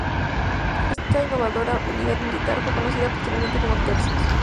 Esta innovadora unidad militar fue conocida posteriormente como tercios.